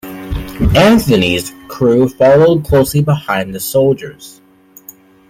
"Anthony"s crew followed closely behind the soldiers.